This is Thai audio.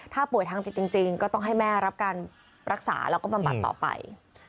ถ้าป่วยทางจิตจริงก็ต้องให้แม่รับการรักษาแล้วก็บำบัดต่อไป